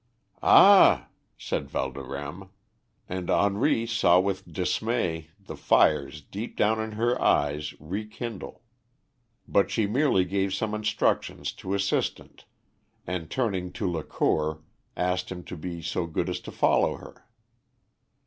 "Ah!" said Valdorême; and Henri saw with dismay the fires deep down in her eyes rekindle. But she merely gave some instructions to an assistant, and, turning to Lacour, asked him to be so good as to follow her.